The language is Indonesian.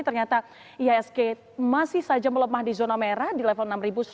ternyata iasg masih saja melemah di zona merah di level enam satu ratus sembilan belas